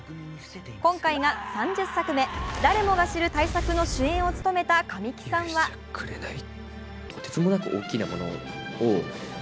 今回が３０作目、誰もが知る大作の主演を務めた神木さんはと言う神木さん。